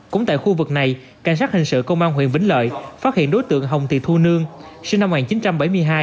cũng tại khu vực này cảnh sát hình sự công an huyện vĩnh lợi phát hiện đối tượng hồng thị thu nương sinh năm một nghìn chín trăm bảy mươi hai